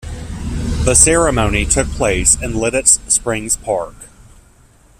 The ceremony took place in Lititz Springs Park.